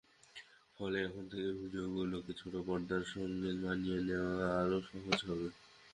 ফলে এখন থেকে ভিডিওগুলোকে ছোট পর্দার সঙ্গে মানিয়ে নেওয়া আরও সহজ হবে।